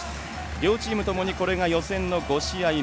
両チームともにこれが予選の５試合目。